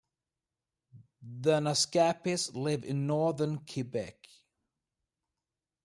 The Naskapis live in northern Quebec.